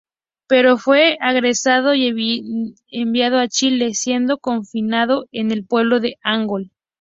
Pero fue apresado y enviado a Chile, siendo confinado en el pueblo de Angol.